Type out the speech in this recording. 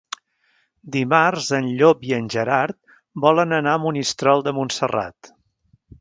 Dimarts en Llop i en Gerard volen anar a Monistrol de Montserrat.